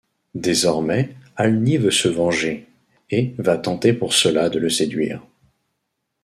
Désormais, Alny veut se venger, et va tenter pour cela de le séduire…